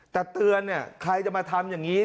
แต่เตือนเนี่ยใครจะมาทำอย่างนี้